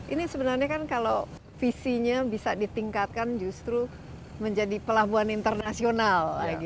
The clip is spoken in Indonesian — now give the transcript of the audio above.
ini sebenarnya kan kalau visinya bisa ditingkatkan justru menjadi pelabuhan internasional